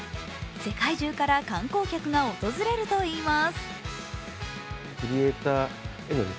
世界中から観光客が訪れるといいます。